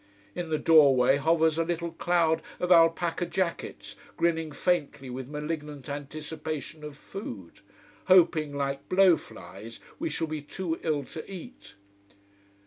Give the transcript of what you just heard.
In the doorway hovers a little cloud of alpaca jackets grinning faintly with malignant anticipation of food, hoping, like blow flies, we shall be too ill to eat.